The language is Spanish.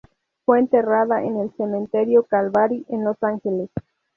Fue enterrada en el cementerio Calvary en Los Ángeles.